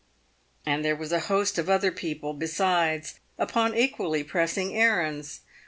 And there was a host of other people besides upon equally pressing errands.